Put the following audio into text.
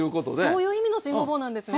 そういう意味の新ごぼうなんですね。